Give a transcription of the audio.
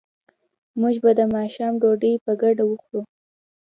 موږ به د ماښام ډوډۍ په ګډه وخورو